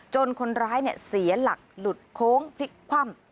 คนร้ายเสียหลักหลุดโค้งพลิกคว่ำ